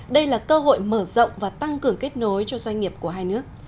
đây là cơ hội mở rộng và tăng cường kết nối cho doanh nghiệp của hai nước